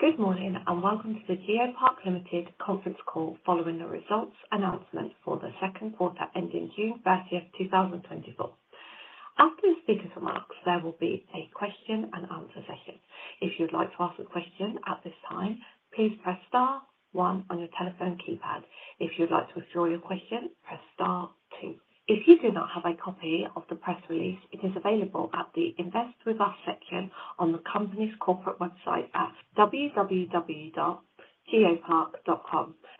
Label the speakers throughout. Speaker 1: Good morning, and welcome to the GeoPark Limited conference call, following the results announcement for the second quarter ending June 30, 2024. After the speaker's remarks, there will be a question and answer session. If you'd like to ask a question at this time, please press star one on your telephone keypad. If you'd like to withdraw your question, press star two. If you do not have a copy of the press release, it is available at the Invest With Us section on the company's corporate website at www.geopark.com.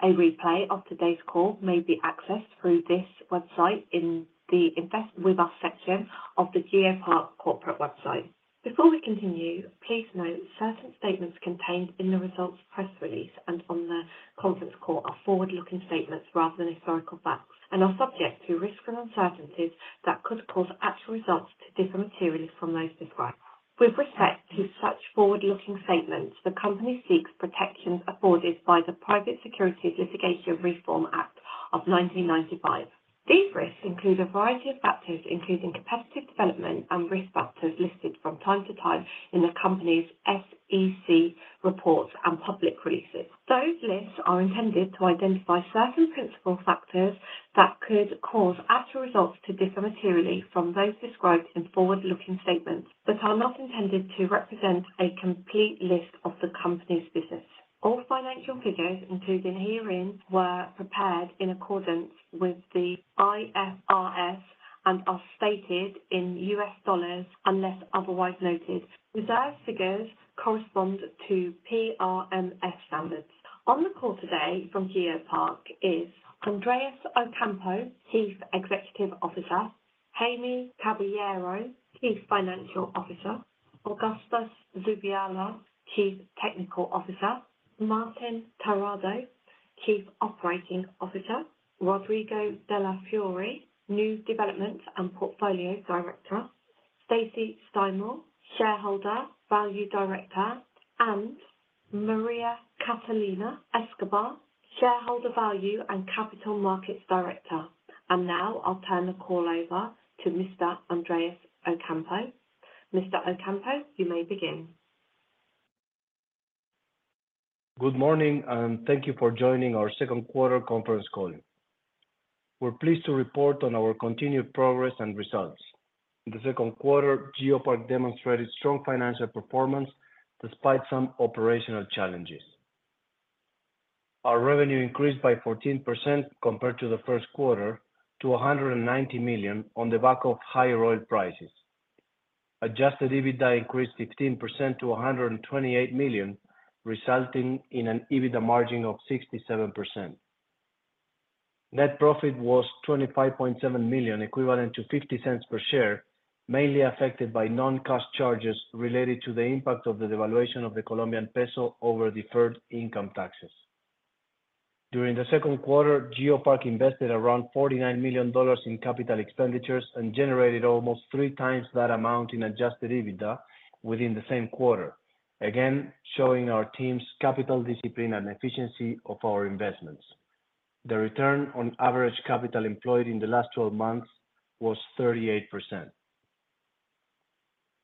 Speaker 1: A replay of today's call may be accessed through this website in the Invest With Us section of the GeoPark corporate website. Before we continue, please note certain statements contained in the results press release and on the conference call are forward-looking statements rather than historical facts, and are subject to risks and uncertainties that could cause actual results to differ materially from those described. With respect to such forward-looking statements, the Company seeks protections afforded by the Private Securities Litigation Reform Act of 1995. These risks include a variety of factors, including competitive development and risk factors listed from time to time in the company's SEC reports and public releases. Those lists are intended to identify certain principal factors that could cause actual results to differ materially from those described in forward-looking statements that are not intended to represent a complete list of the company's business. All financial figures included herein were prepared in accordance with the IFRS and are stated in US dollars unless otherwise noted. Reserves figures correspond to PRMS standards. On the call today from GeoPark is Andrés Ocampo, Chief Executive Officer, Jaime Caballero, Chief Financial Officer, Augusto Zubillaga, Chief Technical Officer, Martín Terrado, Chief Operating Officer, Rodrigo Dalle Fiore, New Development and Portfolio Director, Stacy Steimel, Shareholder Value Director, and Maria Catalina Escobar, Shareholder Value and Capital Markets Director. And now I'll turn the call over to Mr. Andrés Ocampo. Mr. Ocampo, you may begin.
Speaker 2: Good morning, and thank you for joining our second quarter conference call. We're pleased to report on our continued progress and results. In the second quarter, GeoPark demonstrated strong financial performance despite some operational challenges. Our revenue increased by 14% compared to the first quarter, to $190 million on the back of higher oil prices. Adjusted EBITDA increased 15% to $128 million, resulting in an EBITDA margin of 67%. Net profit was $25.7 million, equivalent to $0.50 per share, mainly affected by non-cash charges related to the impact of the devaluation of the Colombian peso over deferred income taxes. During the second quarter, GeoPark invested around $49 million in capital expenditures and generated almost three times that amount in adjusted EBITDA within the same quarter, again, showing our team's capital discipline and efficiency of our investments. The return on average capital employed in the last 12 months was 38%.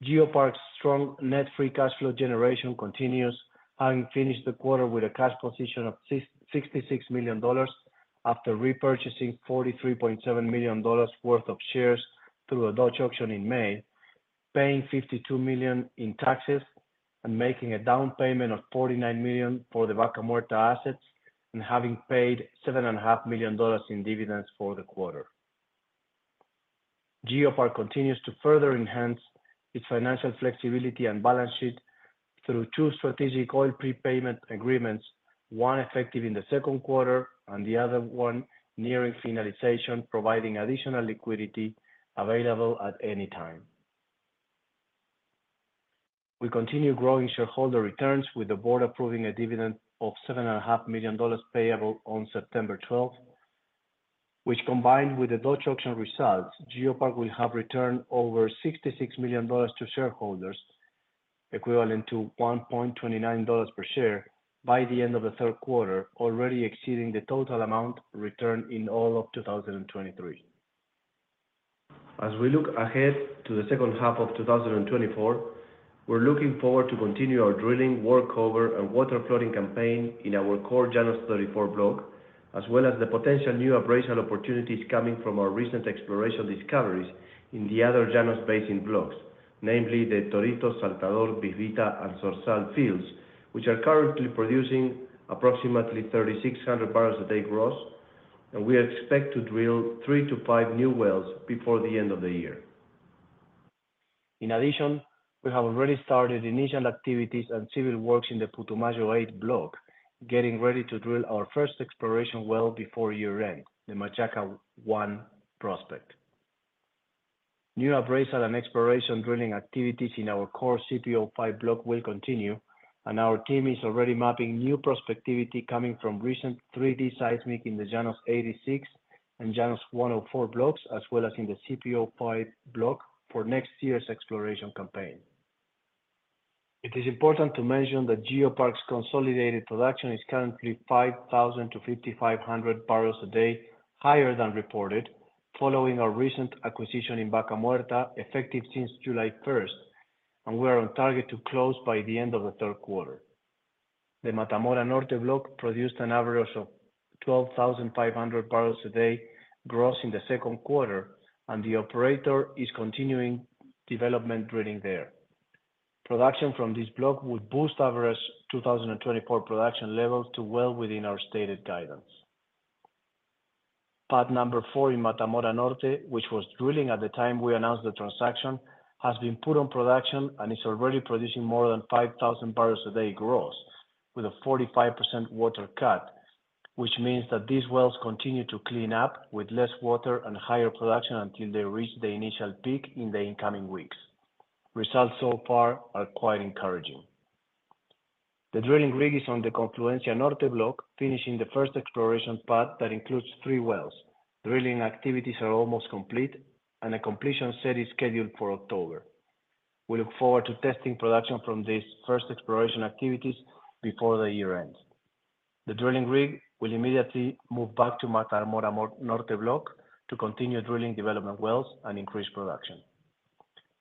Speaker 2: GeoPark's strong net free cash flow generation continues, having finished the quarter with a cash position of $66 million after repurchasing $43.7 million worth of shares through a Dutch auction in May, paying $52 million in taxes, and making a down payment of $49 million for the Vaca Muerta assets, and having paid $7.5 million in dividends for the quarter. GeoPark continues to further enhance its financial flexibility and balance sheet through two strategic oil prepayment agreements, one effective in the second quarter and the other one nearing finalization, providing additional liquidity available at any time. We continue growing shareholder returns with the board approving a dividend of $7.5 million payable on September 12, which, combined with the Dutch auction results, GeoPark will have returned over $66 million to shareholders, equivalent to $1.29 per share by the end of the third quarter, already exceeding the total amount returned in all of 2023. As we look ahead to the second half of 2024, we're looking forward to continue our drilling workover and water flooding campaign in our core Llanos 34 block, as well as the potential new appraisal opportunities coming from our recent exploration discoveries in the other Llanos Basin blocks, namely the Torito, Saltador, Pepita, and Zorzal fields, which are currently producing approximately 3,600 barrels a day gross, and we expect to drill 3-5 new wells before the end of the year. In addition, we have already started initial activities and civil works in the Putumayo 8 block, getting ready to drill our first exploration well before year-end, the Machaca 1 prospect. New appraisal and exploration drilling activities in our core CPO-5 block will continue, and our team is already mapping new prospectivity coming from recent 3D seismic in the Llanos 86 and Llanos 104 blocks, as well as in the CPO-5 block for next year's exploration campaign. It is important to mention that GeoPark's consolidated production is currently 5,000-5,500 barrels a day higher than reported following our recent acquisition in Vaca Muerta, effective since July first, and we're on target to close by the end of the third quarter. The Mata Mora Norte block produced an average of 12,500 barrels a day, gross in the second quarter, and the operator is continuing development drilling there. Production from this block would boost average 2024 production levels to well within our stated guidance. Part number four in Mata Mora Norte, which was drilling at the time we announced the transaction, has been put on production and is already producing more than 5,000 barrels a day gross, with a 45% water cut. Which means that these wells continue to clean up with less water and higher production until they reach the initial peak in the incoming weeks. Results so far are quite encouraging. The drilling rig is on the Confluencia Norte block, finishing the first exploration path that includes 3 wells. Drilling activities are almost complete, and a completion set is scheduled for October. We look forward to testing production from these first exploration activities before the year ends. The drilling rig will immediately move back to Mata Mora Norte block to continue drilling development wells and increase production.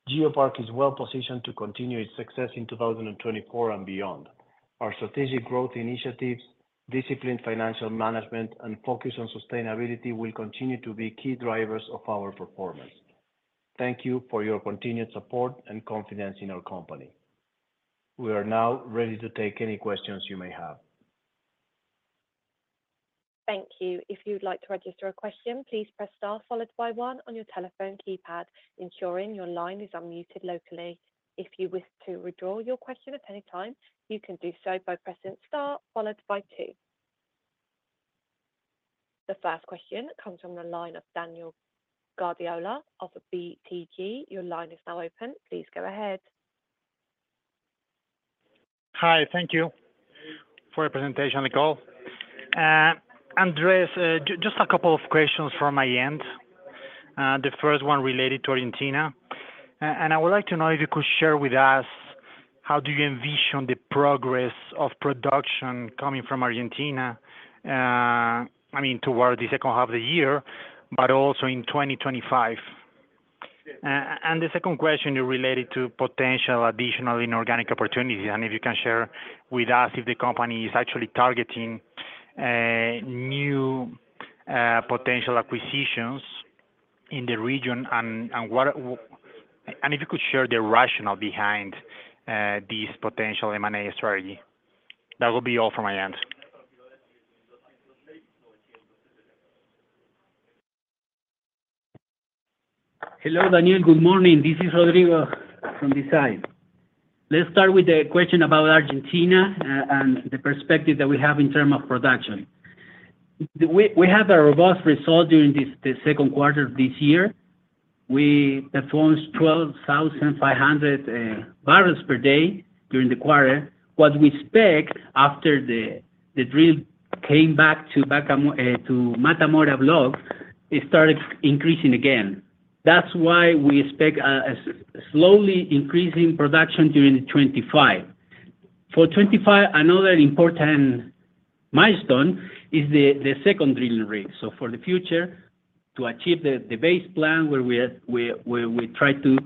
Speaker 2: GeoPark is well positioned to continue its success in 2024 and beyond. Our strategic growth initiatives, disciplined financial management, and focus on sustainability will continue to be key drivers of our performance. Thank you for your continued support and confidence in our company. We are now ready to take any questions you may have.
Speaker 1: Thank you. If you'd like to register a question, please press Star followed by one on your telephone keypad, ensuring your line is unmuted locally. If you wish to withdraw your question at any time, you can do so by pressing Star followed by two. The first question comes from the line of Daniel Guardiola of BTG. Your line is now open. Please go ahead.
Speaker 3: Hi, thank you for the presentation, the call. Andrés, just a couple of questions from my end. The first one related to Argentina. I would like to know if you could share with us how do you envision the progress of production coming from Argentina. I mean, towards the second half of the year, but also in 2025? The second question is related to potential additional inorganic opportunities, and if you can share with us if the company is actually targeting new potential acquisitions in the region, and if you could share the rationale behind this potential M&A strategy. That will be all from my end.
Speaker 4: Hello, Daniel. Good morning. This is Rodrigo from this side. Let's start with the question about Argentina and the perspective that we have in terms of production. We had a robust result during the second quarter of this year. We performed 12,500 barrels per day during the quarter. What we expect after the drill came back to Vaca Muerta to Mata Mora block, it started increasing again. That's why we expect a slowly increasing production during 2025. For 2025, another important milestone is the second drilling rig. So for the future, to achieve the base plan where we are—we try to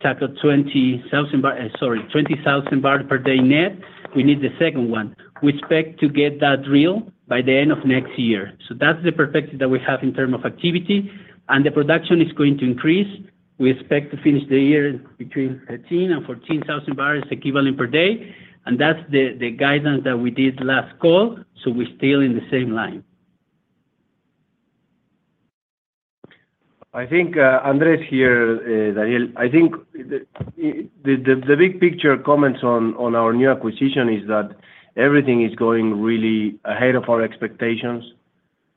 Speaker 4: tackle 20,000, sorry, 20,000 barrels per day net, we need the second one. We expect to get that drill by the end of next year. So that's the perspective that we have in terms of activity, and the production is going to increase. We expect to finish the year between 13,000 and 14,000 barrels equivalent per day, and that's the guidance that we did last call, so we're still in the same line.
Speaker 2: I think, Andrés here, Daniel, I think the big picture comments on our new acquisition is that everything is going really ahead of our expectations.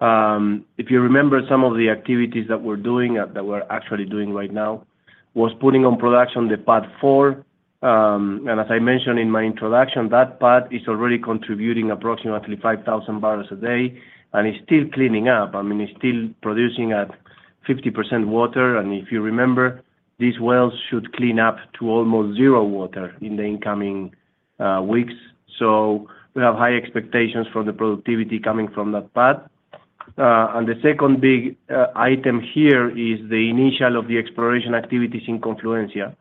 Speaker 2: If you remember some of the activities that we're doing, that we're actually doing right now, was putting on production the pad 4. And as I mentioned in my introduction, that pad is already contributing approximately 5,000 barrels a day, and it's still cleaning up. I mean, it's still producing at 50% water, and if you remember, these wells should clean up to almost zero water in the incoming weeks. So we have high expectations for the productivity coming from that pad. And the second big item here is the initial of the exploration activities in Confluencia,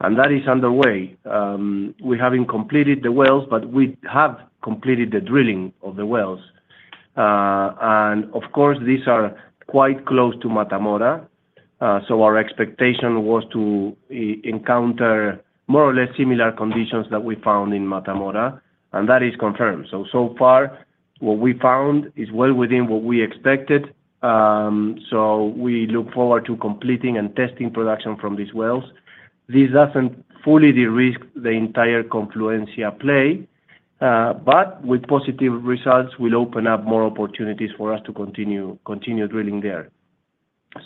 Speaker 2: and that is underway. We haven't completed the wells, but we have completed the drilling of the wells. And of course, these are quite close to Mata Mora Norte. So our expectation was to encounter more or less similar conditions that we found in Mata Mora Norte, and that is confirmed. So, so far, what we found is well within what we expected, so we look forward to completing and testing production from these wells. This doesn't fully de-risk the entire Confluencia Norte play, but with positive results, will open up more opportunities for us to continue drilling there.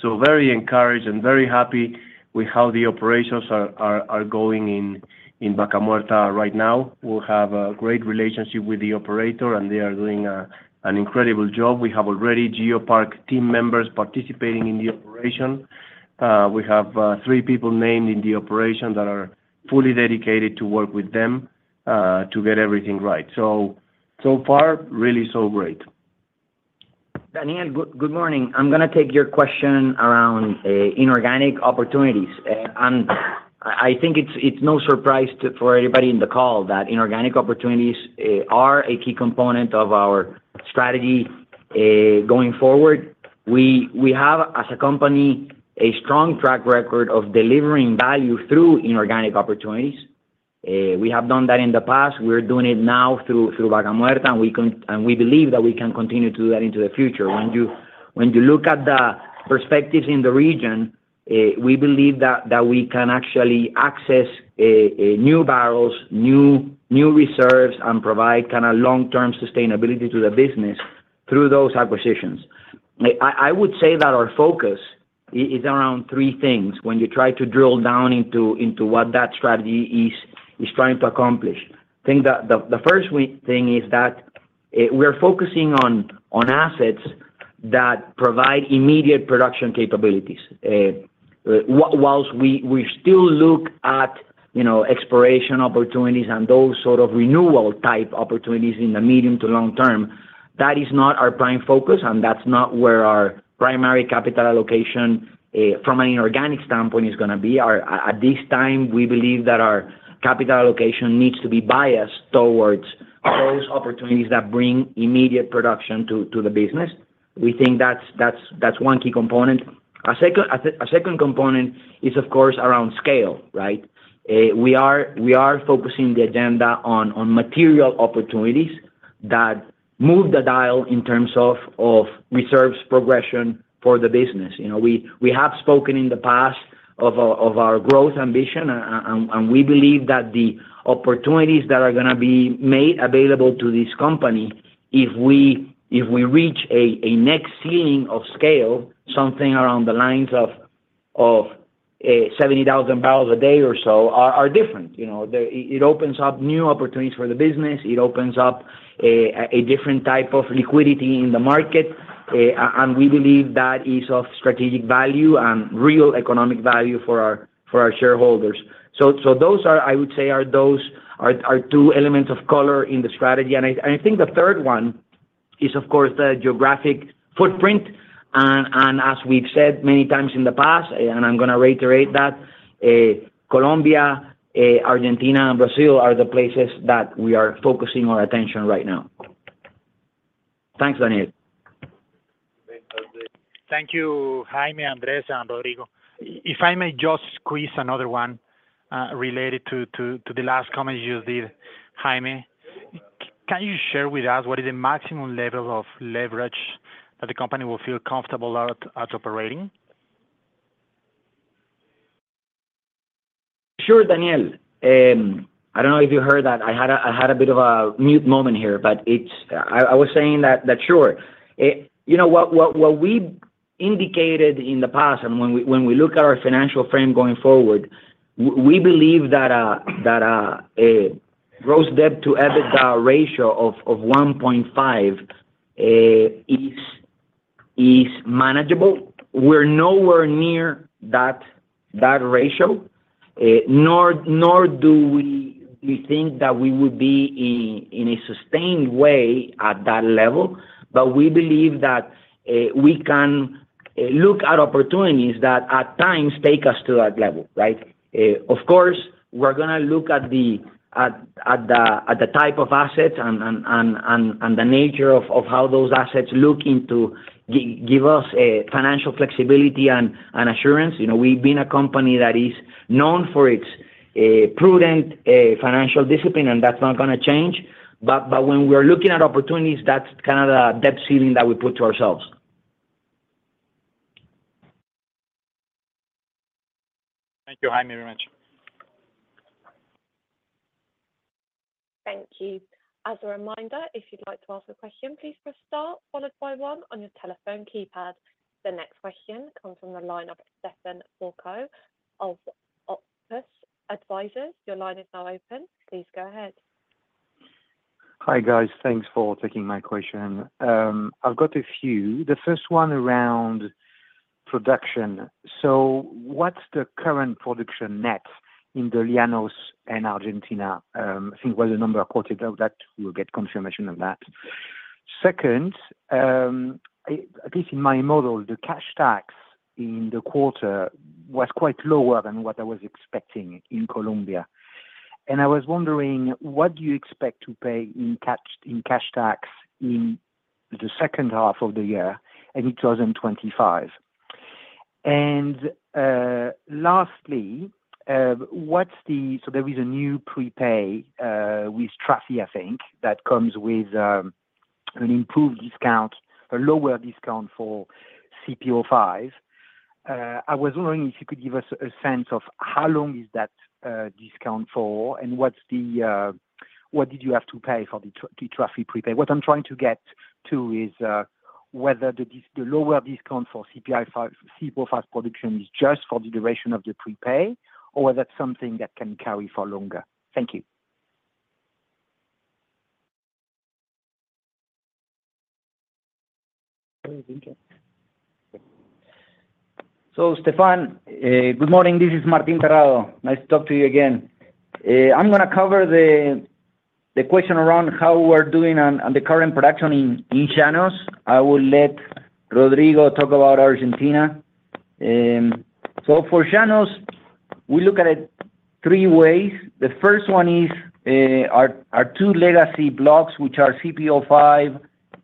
Speaker 2: So very encouraged and very happy with how the operations are going in Vaca Muerta right now. We have a great relationship with the operator, and they are doing an incredible job. We have already GeoPark team members participating in the operation. We have three people named in the operation that are fully dedicated to work with them to get everything right. So-... So far, really so great.
Speaker 5: Daniel, good morning. I'm gonna take your question around inorganic opportunities. I think it's no surprise to—for anybody in the call that inorganic opportunities are a key component of our strategy going forward. We have, as a company, a strong track record of delivering value through inorganic opportunities. We have done that in the past, we're doing it now through Vaca Muerta, and we believe that we can continue to do that into the future. When you look at the perspectives in the region, we believe that we can actually access new barrels, new reserves, and provide kinda long-term sustainability to the business through those acquisitions. I would say that our focus is around three things when you try to drill down into what that strategy is trying to accomplish. I think the first thing is that we're focusing on assets that provide immediate production capabilities. Whilst we still look at, you know, exploration opportunities and those sort of renewal type opportunities in the medium to long term, that is not our prime focus, and that's not where our primary capital allocation from an inorganic standpoint is gonna be. At this time, we believe that our capital allocation needs to be biased towards those opportunities that bring immediate production to the business. We think that's one key component. A second component is, of course, around scale, right? We are focusing the agenda on material opportunities that move the dial in terms of reserves progression for the business. You know, we have spoken in the past of our growth ambition, and we believe that the opportunities that are gonna be made available to this company, if we reach a next ceiling of scale, something around the lines of 70,000 barrels a day or so, are different. You know, it opens up new opportunities for the business. It opens up a different type of liquidity in the market. And we believe that is of strategic value and real economic value for our shareholders. So those are, I would say, two elements of color in the strategy. I think the third one is, of course, the geographic footprint, and as we've said many times in the past, and I'm gonna reiterate that, Colombia, Argentina, and Brazil are the places that we are focusing our attention right now. Thanks, Daniel.
Speaker 3: Thank you. Thank you, Jaime, Andrés, and Rodrigo. If I may just squeeze another one, related to the last comment you did, Jaime. Can you share with us what is the maximum level of leverage that the company will feel comfortable at operating?
Speaker 5: Sure, Daniel. I don't know if you heard that. I had a bit of a mute moment here, but it's... I was saying that, sure. You know, what we indicated in the past and when we look at our financial frame going forward, we believe that gross debt to EBITDA ratio of 1.5 is manageable. We're nowhere near that ratio, nor do we think that we would be in a sustained way at that level. But we believe that we can look at opportunities that at times take us to that level, right? Of course, we're gonna look at the type of assets and the nature of how those assets look into to give us a financial flexibility and assurance. You know, we've been a company that is known for its prudent financial discipline, and that's not gonna change. But when we're looking at opportunities, that's kind of the debt ceiling that we put to ourselves.
Speaker 3: Thank you, Jaime, very much.
Speaker 1: Thank you. As a reminder, if you'd like to ask a question, please press star followed by one on your telephone keypad. The next question comes from the line of Stephane Foucaud of Auctus Advisors. Your line is now open. Please go ahead.
Speaker 6: Hi, guys. Thanks for taking my question. I've got a few. The first one around production. So what's the current production net in the Llanos and Argentina? I think there was a number of quarters of that, we'll get confirmation of that. Second, at least in my model, the cash tax in the quarter was quite lower than what I was expecting in Colombia. And I was wondering, what do you expect to pay in cash, in cash tax in the second half of the year, and in 2025? And, lastly, So there is a new prepay, with Trafigura, I think, that comes with, an improved discount, a lower discount for CPO-5. I was wondering if you could give us a sense of how long is that discount for, and what did you have to pay for the Trafigura prepay? What I'm trying to get to is whether the lower discount for CPO-5 production is just for the duration of the prepay, or is that something that can carry for longer? Thank you....
Speaker 7: So Stefan, good morning, this is Martín Terrado. Nice to talk to you again. I'm gonna cover the question around how we're doing on the current production in Llanos. I will let Rodrigo talk about Argentina. So for Llanos, we look at it three ways. The first one is our two legacy blocks, which are CPO-5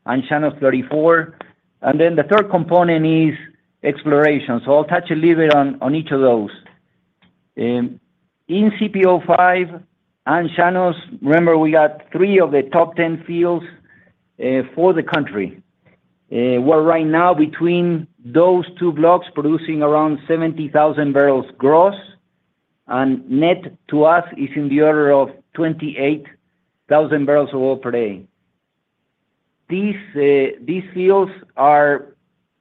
Speaker 7: and Llanos 34, and then the third component is exploration. So I'll touch a little bit on each of those. In CPO-5 and Llanos, remember, we got three of the top ten fields for the country. Well, right now between those two blocks, producing around 70,000 barrels gross and net to us is in the order of 28,000 barrels of oil per day. These fields are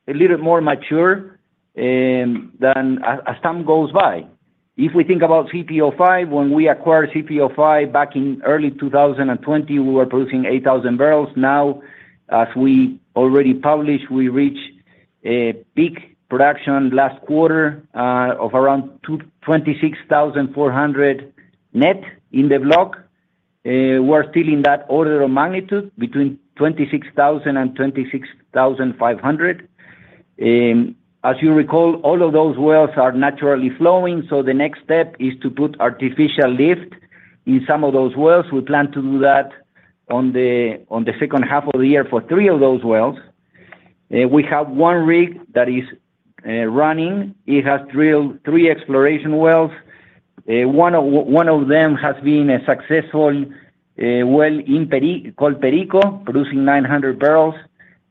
Speaker 7: a little more mature as time goes by. If we think about CPO-5, when we acquired CPO-5 back in early 2020, we were producing 8,000 barrels. Now, as we already published, we reached a peak production last quarter of around 26,400 net in the block. We're still in that order of magnitude, between 26,000 and 26,500. As you recall, all of those wells are naturally flowing, so the next step is to put artificial lift in some of those wells. We plan to do that on the second half of the year for 3 of those wells. We have 1 rig that is running. It has drilled 3 exploration wells. One of them has been a successful well in Perico, called Perico, producing 900 barrels.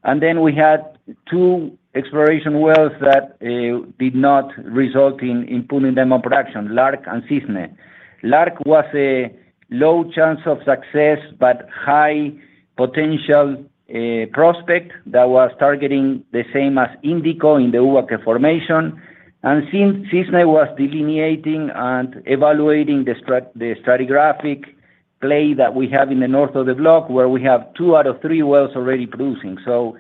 Speaker 7: And then we had two exploration wells that did not result in putting them on production, Lark and Cisne. Lark was a low chance of success, but high potential prospect that was targeting the same as Índico in the Huaca formation. And Cisne, Cisne was delineating and evaluating the stratigraphic play that we have in the north of the block, where we have two out of three wells already producing. So,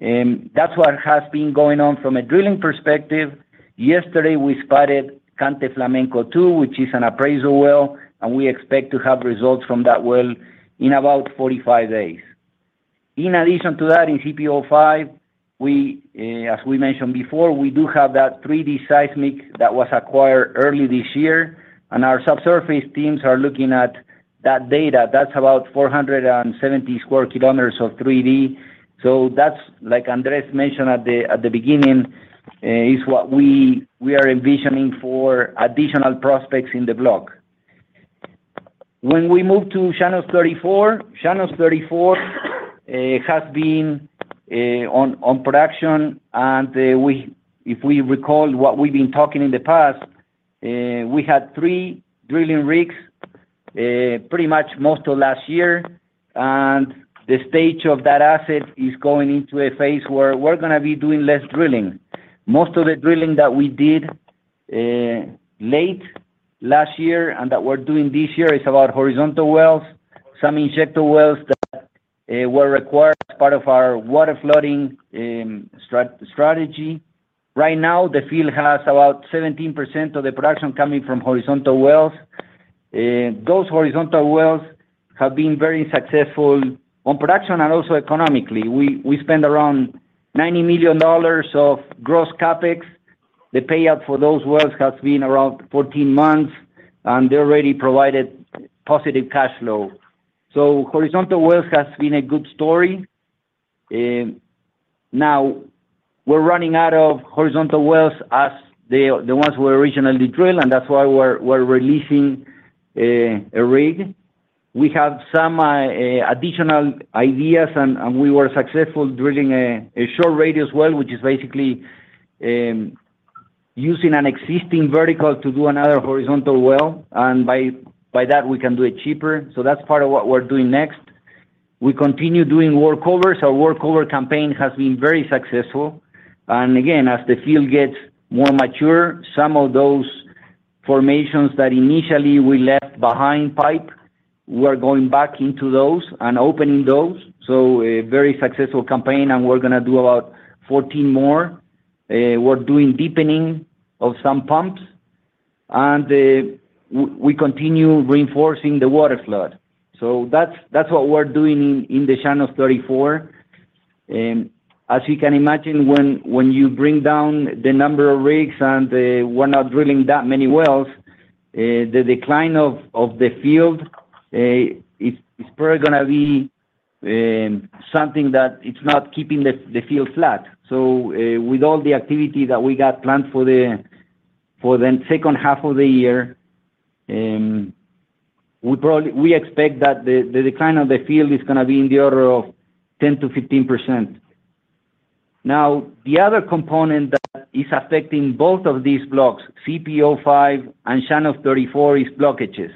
Speaker 7: that's what has been going on from a drilling perspective. Yesterday, we spudded Cante Flamenco-2, which is an appraisal well, and we expect to have results from that well in about 45 days. In addition to that, in CPO-5, we, as we mentioned before, we do have that three-D seismic that was acquired early this year, and our subsurface teams are looking at that data. That's about 470 square kilometers of three-D. So that's, like Andrés mentioned at the, at the beginning, is what we are envisioning for additional prospects in the block. When we move to Llanos 34, Llanos 34 has been on production, and we, if we recall what we've been talking in the past, we had three drilling rigs pretty much most of last year, and the stage of that asset is going into a phase where we're gonna be doing less drilling. Most of the drilling that we did late last year and that we're doing this year is about horizontal wells, some injector wells that were required as part of our water flooding strategy. Right now, the field has about 17% of the production coming from horizontal wells. Those horizontal wells have been very successful on production and also economically. We spend around $90 million of gross CapEx. The payout for those wells has been around 14 months, and they already provided positive cash flow. So horizontal wells has been a good story. Now, we're running out of horizontal wells as the ones we originally drilled, and that's why we're releasing a rig. We have some additional ideas, and we were successful drilling a short radius well, which is basically using an existing vertical to do another horizontal well, and by that, we can do it cheaper. So that's part of what we're doing next. We continue doing workovers. Our workover campaign has been very successful. And again, as the field gets more mature, some of those formations that initially we left behind pipe, we're going back into those and opening those. So a very successful campaign, and we're gonna do about 14 more. We're doing deepening of some pumps, and we continue reinforcing the water flood. So that's what we're doing in the Llanos 34. As you can imagine, when you bring down the number of rigs and we're not drilling that many wells, the decline of the field, it's probably gonna be something that it's not keeping the field flat. So, with all the activity that we got planned for the second half of the year, we probably—we expect that the decline of the field is gonna be in the order of 10%-15%. Now, the other component that is affecting both of these blocks, CPO-5 and Llanos 34, is blockages.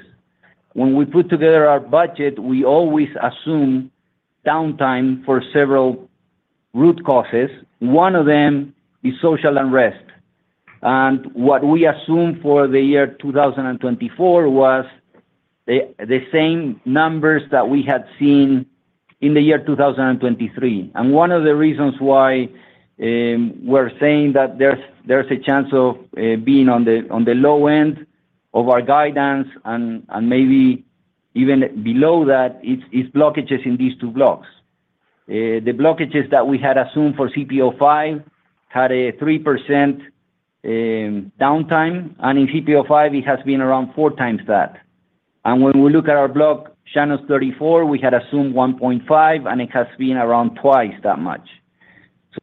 Speaker 7: When we put together our budget, we always assume downtime for several root causes. One of them is social unrest. And what we assumed for the year 2024 was the same numbers that we had seen in the year 2023. One of the reasons why we're saying that there's a chance of being on the low end of our guidance and maybe even below that is blockages in these two blocks. The blockages that we had assumed for CPO-5 had a 3% downtime, and in CPO-5, it has been around four times that. And when we look at our block, Llanos 34, we had assumed 1.5, and it has been around twice that much.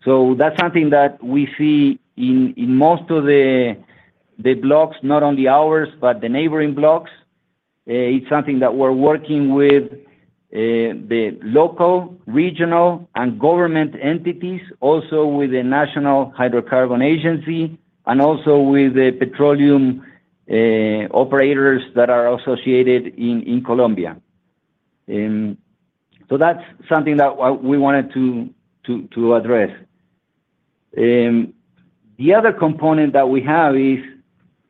Speaker 7: So that's something that we see in most of the blocks, not only ours, but the neighboring blocks. It's something that we're working with the local, regional, and government entities, also with the National Hydrocarbon Agency and also with the petroleum operators that are associated in Colombia. So that's something that we wanted to address. The other component that we have is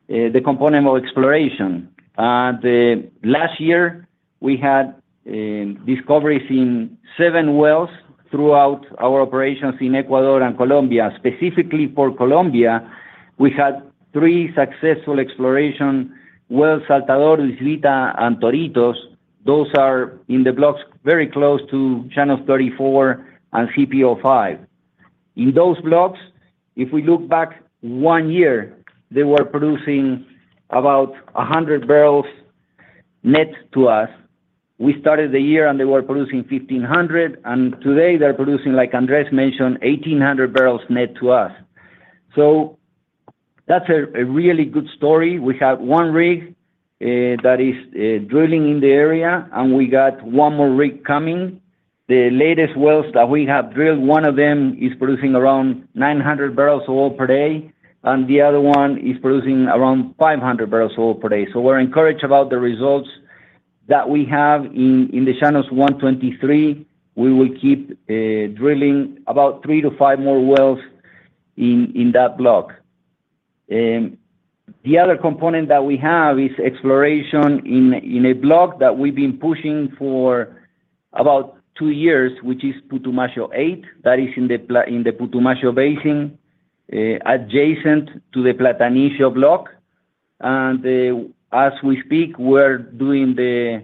Speaker 7: the component of exploration. The last year, we had discoveries in seven wells throughout our operations in Ecuador and Colombia. Specifically for Colombia, we had three successful exploration wells, Saltador, Islita, and Toritos. Those are in the blocks very close to Llanos 34 and CPO-5. In those blocks, if we look back one year, they were producing about 100 barrels net to us. We started the year, and they were producing 1,500, and today they're producing, like Andrés mentioned, 1,800 barrels net to us. So that's a really good story. We have 1 rig that is drilling in the area, and we got 1 more rig coming. The latest wells that we have drilled, 1 of them is producing around 900 barrels of oil per day, and the other 1 is producing around 500 barrels of oil per day. So we're encouraged about the results that we have in the Llanos 123. We will keep drilling about 3 to 5 more wells in that block. The other component that we have is exploration in a block that we've been pushing for about 2 years, which is Putumayo 8. That is in the Putumayo Basin, adjacent to the Platanillo block. And as we speak, we're doing the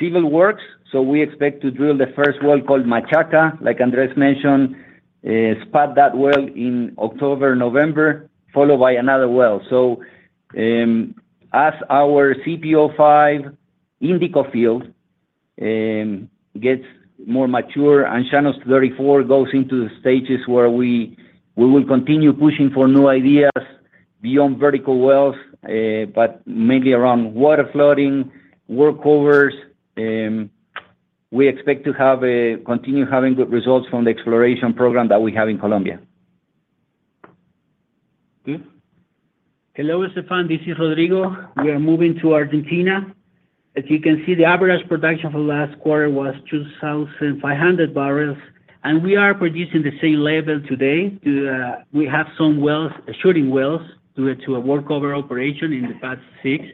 Speaker 7: civil works, so we expect to drill the first well called Machaca. Like Andrés mentioned, spot that well in October, November, followed by another well. So, as our CPO-5 Índico field gets more mature and Llanos 34 goes into the stages where we will continue pushing for new ideas beyond vertical wells, but mainly around water flooding, workovers, we expect to continue having good results from the exploration program that we have in Colombia. Good?
Speaker 4: Hello, Stephane. This is Rodrigo. We are moving to Argentina. As you can see, the average production for last quarter was 2,500 barrels, and we are producing the same level today. We have some wells, shut-in wells, due to a workover operation in the pad 6.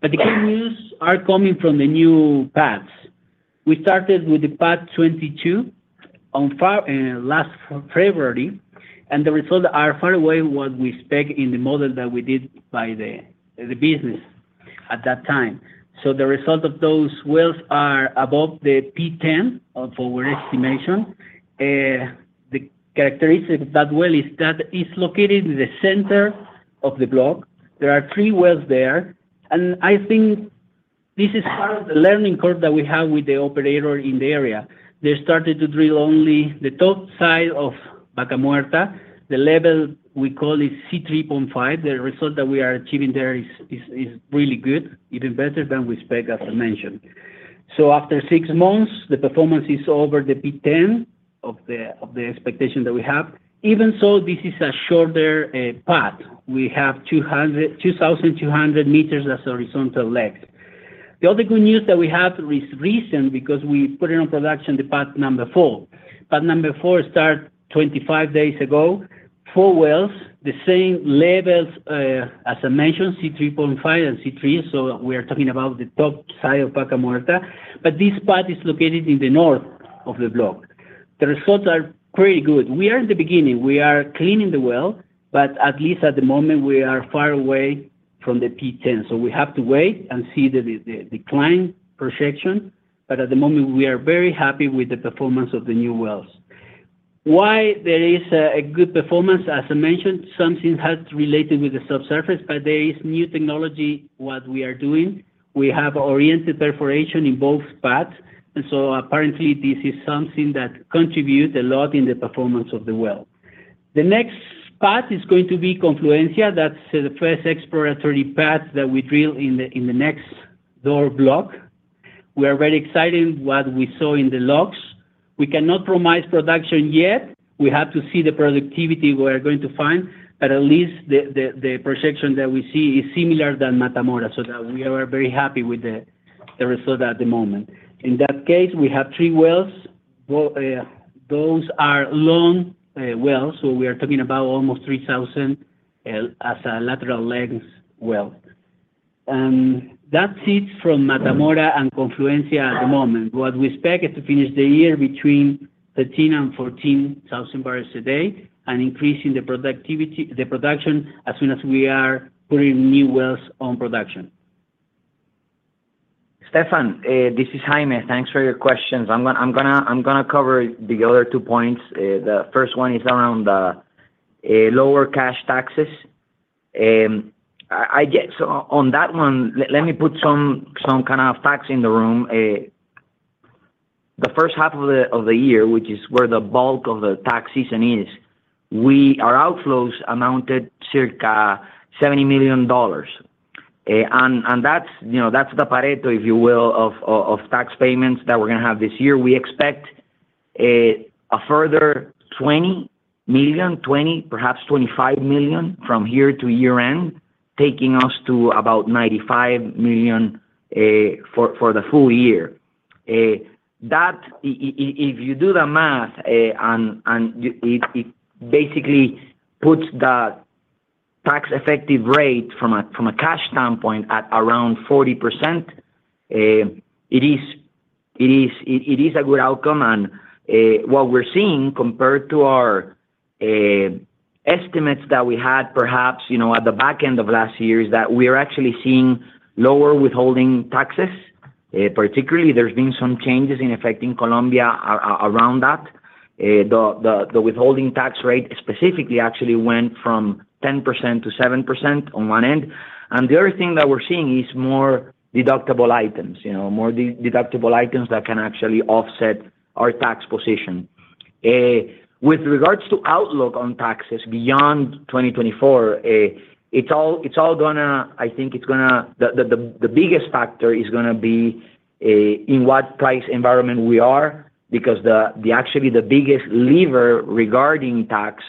Speaker 4: But the good news are coming from the new pads. We started with the pad 22, our first, last February, and the results are far above what we expect in the model that we did by the business at that time. So the result of those wells are above the P10 of our estimation. The characteristic of that well is that it's located in the center of the block. There are 3 wells there, and I think this is part of the learning curve that we have with the operator in the area. They started to drill only the top side of Vaca Muerta. The level, we call it C 3.5. The result that we are achieving there is really good, even better than we expect, as I mentioned. So after six months, the performance is over the P10 of the expectation that we have. Even so, this is a shorter pad. We have 2,200 meters as a horizontal length. The other good news that we have is recent, because we put it on production, the pad number 4. Pad number 4 start 25 days ago. 4 wells, the same levels, as I mentioned, C 3.5 and C3, so we are talking about the top side of Vaca Muerta, but this pad is located in the north of the block. The results are pretty good. We are at the beginning. We are cleaning the well, but at least at the moment, we are far away from the P10. So we have to wait and see the decline projection, but at the moment, we are very happy with the performance of the new wells. Why there is a good performance? As I mentioned, something has related with the subsurface, but there is new technology, what we are doing. We have oriented perforation in both pads, and so apparently this is something that contributes a lot in the performance of the well. The next pad is going to be Confluencia. That's the first exploratory pad that we drill in the next door block. We are very excited what we saw in the logs. We cannot promise production yet. We have to see the productivity we are going to find, but at least the projection that we see is similar than Mata Mora, so that we are very happy with the progress. Horizontal at the moment. In that case, we have three wells. Those are long wells, so we are talking about almost 3,000 as a lateral length well. That's it from Mata Mora and Confluencia at the moment. What we expect is to finish the year between 13,000 and 14,000 barrels a day, and increasing the productivity, the production, as soon as we are putting new wells on production.
Speaker 5: Stefan, this is Jaime. Thanks for your questions. I'm gonna cover the other two points. The first one is around the lower cash taxes. I get-- So on that one, let me put some kind of facts in the room. The first half of the year, which is where the bulk of the tax season is, we. Our outflows amounted to circa $70 million. And that's, you know, that's the Pareto, if you will, of tax payments that we're gonna have this year. We expect a further $20 million-$25 million from here to year-end, taking us to about $95 million for the full year. If you do the math, and you, it basically puts the tax effective rate from a cash standpoint at around 40%. It is a good outcome, and what we're seeing compared to our estimates that we had perhaps, you know, at the back end of last year, is that we are actually seeing lower withholding taxes. Particularly, there's been some changes in effect in Colombia around that. The withholding tax rate specifically actually went from 10%–7% on one end. And the other thing that we're seeing is more deductible items, you know, more deductible items that can actually offset our tax position. With regards to outlook on taxes beyond 2024, it's all gonna. I think it's gonna be. The biggest factor is gonna be in what price environment we are, because actually the biggest lever regarding tax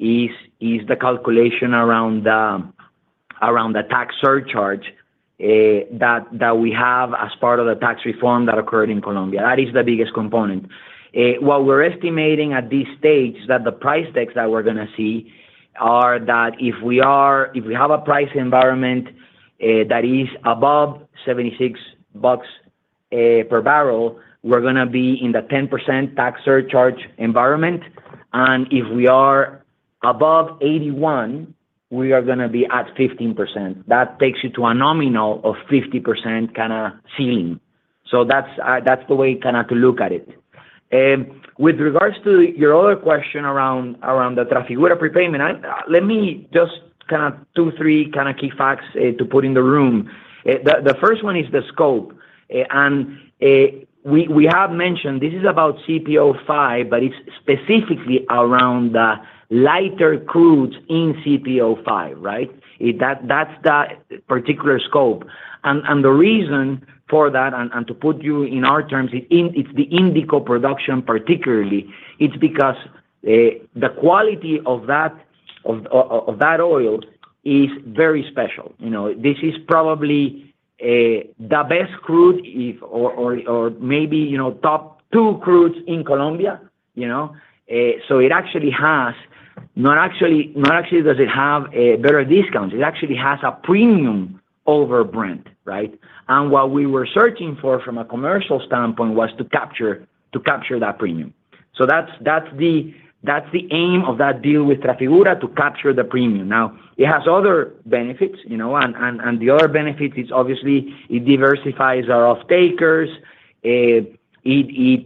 Speaker 5: is the calculation around the tax surcharge that we have as part of the tax reform that occurred in Colombia. That is the biggest component. What we're estimating at this stage, that the price tags that we're gonna see are that if we have a price environment that is above $76 per barrel, we're gonna be in the 10% tax surcharge environment. And if we are above $81, we are gonna be at 15%. That takes you to a nominal of 50% kind of ceiling. So that's the way kind of to look at it. With regards to your other question around the Trafigura prepayment, let me just two, three key facts to put in the room. The first one is the scope. And we have mentioned this is about CPO-5, but it's specifically around the lighter crudes in CPO-5, right? That's the particular scope. The reason for that, to put you in our terms, it's the Índico production particularly, it's because the quality of that oil is very special. You know, this is probably the best crude, or maybe, you know, top two crudes in Colombia, you know? So it actually has, not actually, not actually does it have a better discount, it actually has a premium over Brent, right? And what we were searching for from a commercial standpoint was to capture that premium. So that's the aim of that deal with Trafigura, to capture the premium. Now, it has other benefits, you know, and the other benefit is obviously it diversifies our off-takers. It...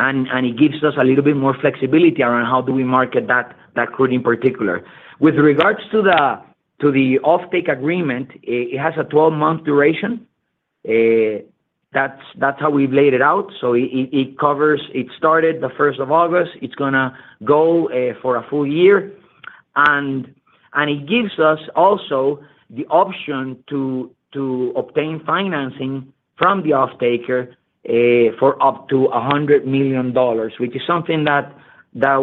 Speaker 5: And it gives us a little bit more flexibility around how we market that crude in particular. With regards to the off-take agreement, it has a twelve-month duration. That's how we've laid it out. So it covers... It started the first of August. It's gonna go for a full year. And it gives us also the option to obtain financing from the off-taker for up to $100 million, which is something that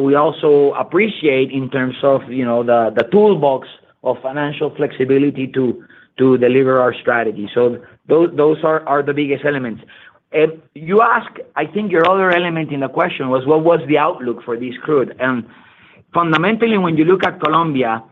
Speaker 5: we also appreciate in terms of, you know, the toolbox of financial flexibility to deliver our strategy. So those are the biggest elements. You ask, I think your other element in the question was, what was the outlook for this crude? Fundamentally, when you look at Colombia,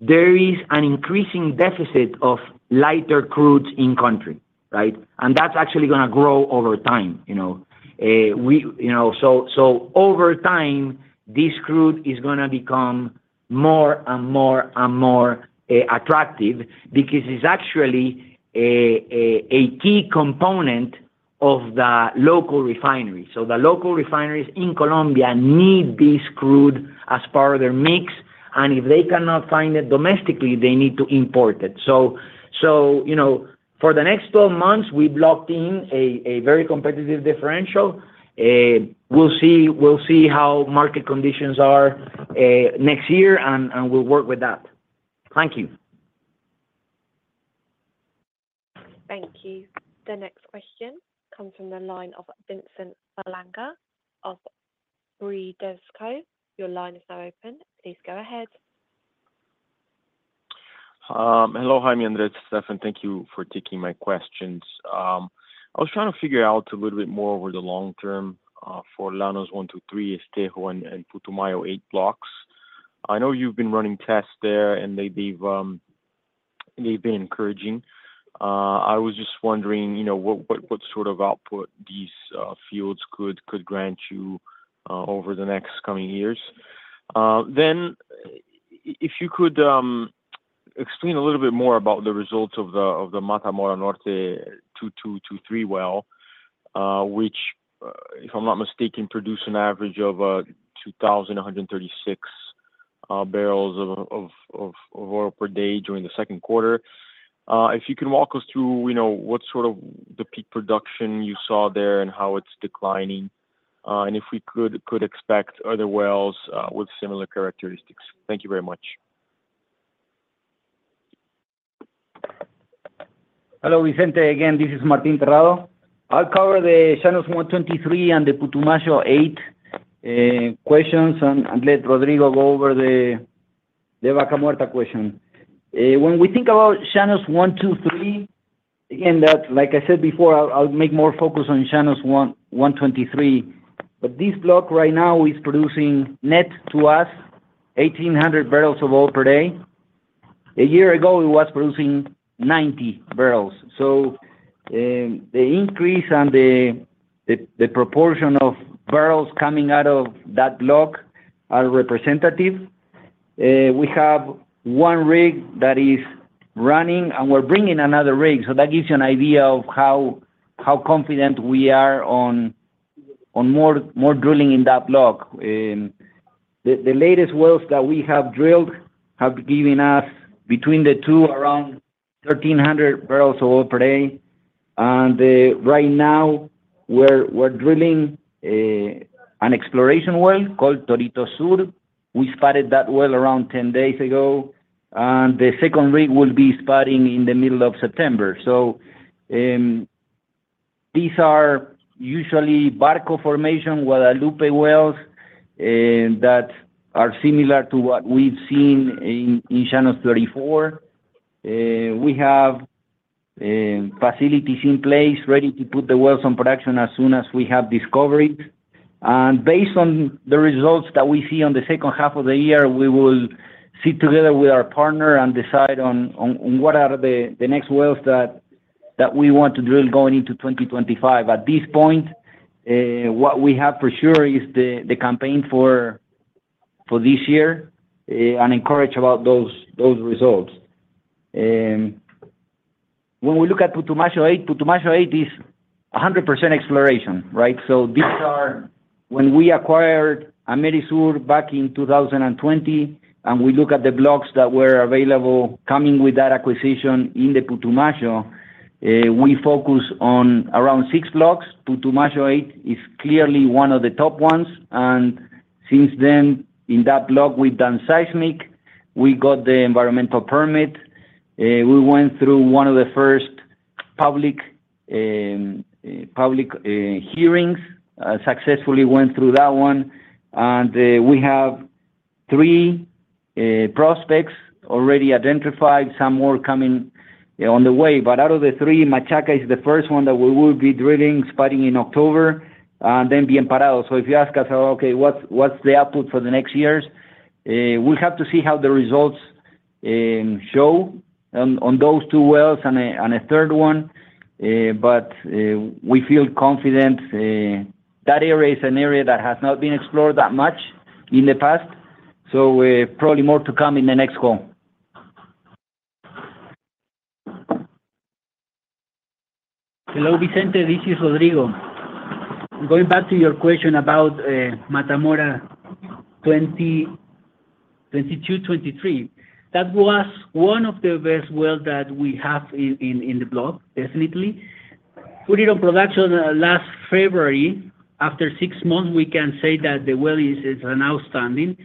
Speaker 5: there is an increasing deficit of lighter crudes in country, right? That's actually gonna grow over time, you know. We, you know. So over time, this crude is gonna become more and more and more attractive because it's actually a key component of the local refineries. So the local refineries in Colombia need this crude as part of their mix, and if they cannot find it domestically, they need to import it. So, you know, for the next 12 months, we've locked in a very competitive differential. We'll see, we'll see how market conditions are next year, and we'll work with that. Thank you.
Speaker 1: Thank you. The next question comes from the line of Vicente Falanga of Bradesco BBI. Your line is now open. Please go ahead....
Speaker 8: hello, Jaime, Andrés, Stephane, thank you for taking my questions. I was trying to figure out a little bit more over the long term for Llanos 123, CPO-5 and Putumayo 8 blocks. I know you've been running tests there, and they've been encouraging. I was just wondering, you know, what sort of output these fields could grant you over the next coming years? Then, if you could explain a little bit more about the results of the Mata Mora Norte 2223 well, which, if I'm not mistaken, produced an average of 2,136 barrels of oil per day during the second quarter. If you can walk us through, you know, what sort of the peak production you saw there and how it's declining, and if we could expect other wells with similar characteristics. Thank you very much.
Speaker 7: Hello, Vicente. Again, this is Martín Terrado. I'll cover the Llanos 123, and the Putumayo 8 questions, and let Rodrigo go over the Vaca Muerta question. When we think about Llanos 123, and that, like I said before, I'll make more focus on Llanos 1, 123. But this block right now is producing net to us 1,800 barrels of oil per day. A year ago, it was producing 90 barrels. So, the increase and the proportion of barrels coming out of that block are representative. We have 1 rig that is running, and we're bringing another rig, so that gives you an idea of how confident we are on more drilling in that block. The latest wells that we have drilled have given us between the two, around 1,300 barrels of oil per day. And right now, we're drilling an exploration well called Torito Sur. We spudded that well around 10 days ago, and the second rig will be spudding in the middle of September. So, these are usually Barco formation, Guadalupe wells that are similar to what we've seen in Llanos 34. We have facilities in place ready to put the wells on production as soon as we have discovered. And based on the results that we see on the second half of the year, we will sit together with our partner and decide on what are the next wells that we want to drill going into 2025. At this point, what we have for sure is the campaign for this year, and encouraged about those results. When we look at Putumayo 8, Putumayo 8 is 100% exploration, right? So these are... When we acquired Amerisur back in 2020, and we look at the blocks that were available coming with that acquisition in the Putumayo, we focus on around 6 blocks. Putumayo 8 is clearly one of the top ones, and since then, in that block, we've done seismic, we got the environmental permit, we went through one of the first public, public hearings, successfully went through that one. And we have 3 prospects already identified, some more coming on the way. But out of the three, Machaca is the first one that we will be drilling, spudding in October, and then Bienparado. So if you ask us, "Okay, what's the output for the next years?" We'll have to see how the results show on those two wells and a third one, but we feel confident that area is an area that has not been explored that much in the past, so probably more to come in the next call.
Speaker 4: Hello, Vicente, this is Rodrigo. Going back to your question about Mata Mora 2223. That was one of the best well that we have in the block, definitely. Put it on production last February. After six months, we can say that the well is an outstanding,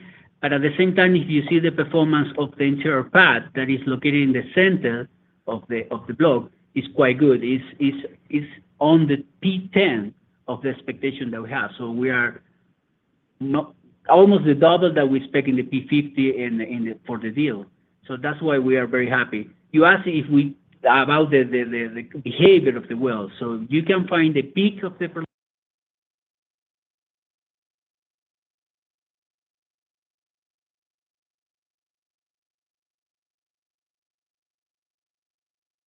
Speaker 4: but at the same time, if you see the performance of the entire pad that is located in the center of the block, is quite good. It's on the P10 of the expectation that we have. So we are almost double that we expect in the P50 for the deal. So that's why we are very happy. You asked about the behavior of the well, so you can find the peak of the production,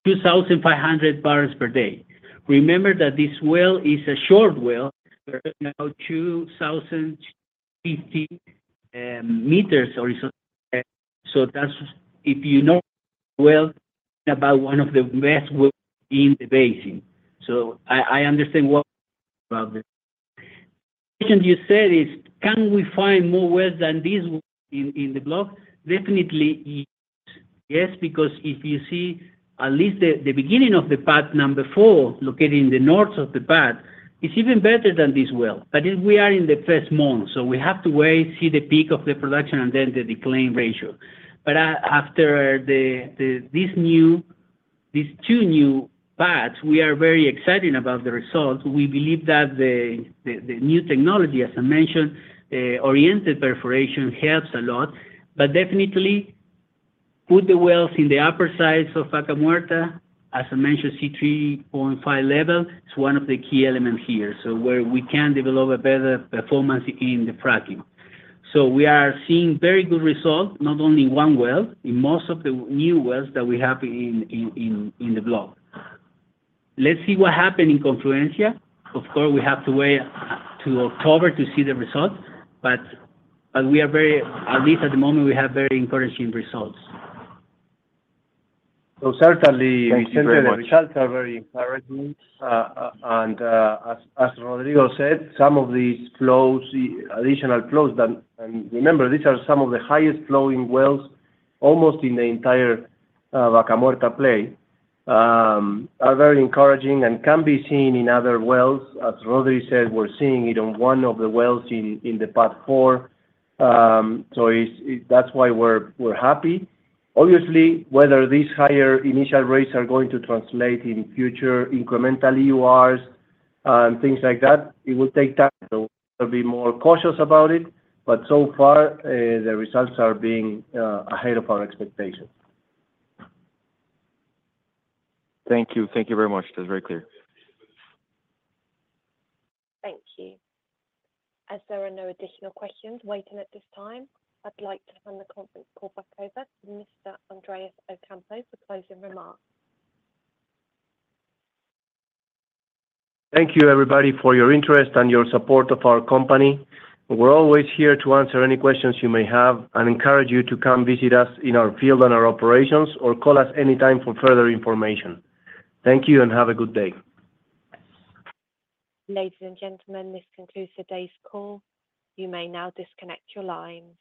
Speaker 4: 2,500 barrels per day. Remember that this well is a short well, about 2,050 meters or so. So that's, if you know, well, about one of the best well in the basin. So I understand what you said is, can we find more wells than this in the block? Definitely, yes. Yes, because if you see at least the beginning of the pad number 4, located in the north of the pad, it's even better than this well. But we are in the first month, so we have to wait, see the peak of the production and then the decline ratio. But after these two new pads, we are very excited about the results. We believe that the new technology, as I mentioned, the oriented perforation helps a lot. But definitely, put the wells in the upper sides of Vaca Muerta, as I mentioned, C 3.5 level, is one of the key elements here, so where we can develop a better performance in the fracking. So we are seeing very good results, not only in one well, in most of the new wells that we have in the block. Let's see what happened in Confluencia. Of course, we have to wait till October to see the results, but we are very, at least at the moment, we have very encouraging results.
Speaker 2: So certainly, the results are very encouraging. As Rodrigo said, some of these flows, additional flows, then, and remember, these are some of the highest flowing wells, almost in the entire Vaca Muerta play, are very encouraging and can be seen in other wells. As Rodrigo said, we're seeing it on one of the wells in the pad four. So that's why we're happy. Obviously, whether these higher initial rates are going to translate in future incremental EURs and things like that, it will take time, so we'll be more cautious about it, but so far, the results are being ahead of our expectations.
Speaker 8: Thank you. Thank you very much. That's very clear.
Speaker 1: Thank you. As there are no additional questions waiting at this time, I'd like to turn the conference call back over to Mr. Andrés Ocampo for closing remarks.
Speaker 2: Thank you, everybody, for your interest and your support of our company. We're always here to answer any questions you may have, and encourage you to come visit us in our field on our operations, or call us anytime for further information. Thank you, and have a good day.
Speaker 1: Ladies and gentlemen, this concludes today's call. You may now disconnect your lines.